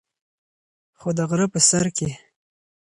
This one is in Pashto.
خو د غرۀ پۀ سر کښې